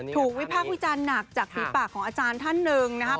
วิพากษ์วิจารณ์หนักจากฝีปากของอาจารย์ท่านหนึ่งนะครับ